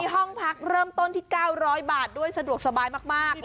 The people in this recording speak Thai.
ห้องพักเริ่มต้นที่๙๐๐บาทด้วยสะดวกสบายมาก